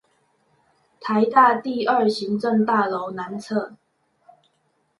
臺大第二行政大樓南側